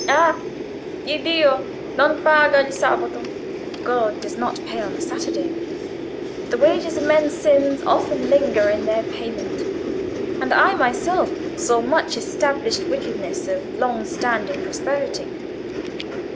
Ah, Iddio non paga il Sabatol ('God does not pay on a Saturday')—the wages of men's sins often linger in their payment, and I myself saw much established wickedness of long standing prosperity.